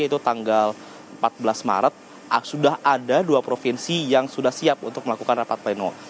yaitu tanggal empat belas maret sudah ada dua provinsi yang sudah siap untuk melakukan rapat pleno